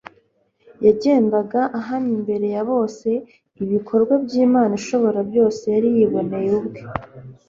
yagendaga ahamya imbere ya bose ibikorwa by'imana ishobora byose yari yiboneye ubwe